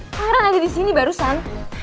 pangeran ada disini barusan